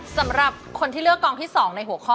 สำหรับคนที่เลือกกองที่๒ในหัวข้อ